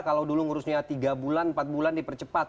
kalau dulu ngurusnya tiga bulan empat bulan dipercepat